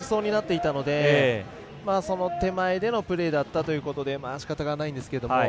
スチールが成功しそうになっていたのでその手前でのプレーだったということでしかたがないんですけれども。